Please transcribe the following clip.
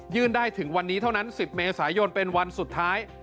ได้ถึงวันนี้เท่านั้น๑๐เมษายนเป็นวันสุดท้าย